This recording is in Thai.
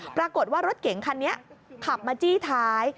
ปรากฏว่ารถเก๋งคันนี้ขับมาจี้ท้าย